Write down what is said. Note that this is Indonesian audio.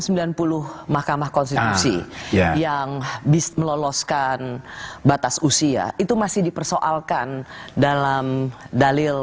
sembilan puluh mahkamah konstitusi yang habis meloloskan batas usia itu masih dipersoalkan dalam dalil